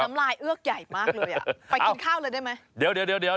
ดูน้ำลายเอือกใหญ่มากเลยอ่ะไปกินข้าวเลยได้ไหม